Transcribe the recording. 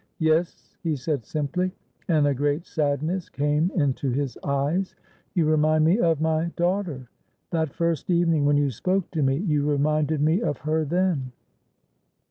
"Yes," he said, simply, and a great sadness came into his eyes, "you remind me of my daughter. That first evening when you spoke to me you reminded me of her then."